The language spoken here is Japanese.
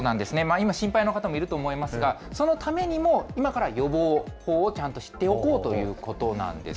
今、心配な方もいると思いますが、そのためにも、今から予防をちゃんと知っておこうということなんです。